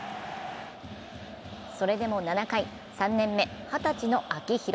それでも７回、３年目・二十歳の秋広。